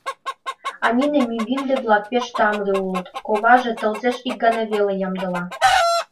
А нине мӱгинде-влак пеш тамле улыт, коваже тылзеш ик гана веле ямдыла.